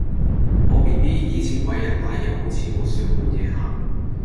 我 bb 以前餵人奶又好似好少半夜喊